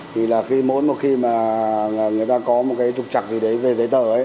thì là khi mỗi một khi mà người ta có một cái trục trặc gì đấy về giấy tờ ấy